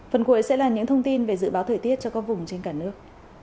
phần cuối sẽ là những thông tin về dự báo thời tiết cho các vùng trên cả nước